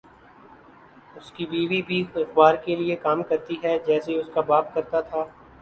اس کی بیوی بھِی اخبار کے لیے کام کرتی ہے جیسے اس کا باپ کرتا تھا